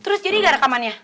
terus jadi gak rekamannya